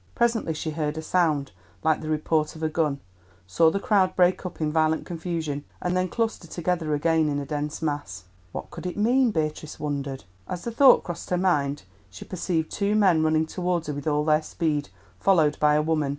Presently she heard a sound like the report of a gun, saw the crowd break up in violent confusion, and then cluster together again in a dense mass. "What could it mean?" Beatrice wondered. As the thought crossed her mind, she perceived two men running towards her with all their speed, followed by a woman.